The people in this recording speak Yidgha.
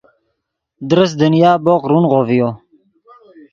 درست دنیا بوق رونغو ڤیو